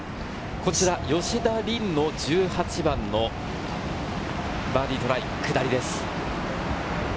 こちら、吉田鈴の１８番、バーディートライ、下りです。